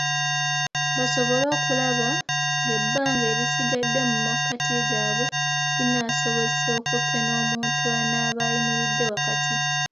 Basobole okulaba ng'ebbanga erisigadde mu makati gaabwe linaabasobozesa okupena omuntu anaaba ayimiridde wakati.